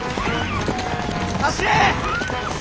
走れ！